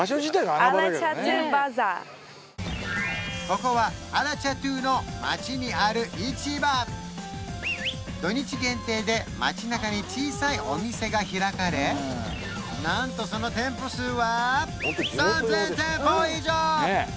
ここはアラチャトゥの街にある市場土日限定で街なかに小さいお店が開かれなんとその店舗数は３０００店舗以上！